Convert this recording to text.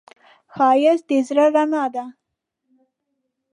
ښایست د زړه رڼا ده